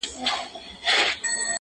د پوهې د زیاتولو په مرسته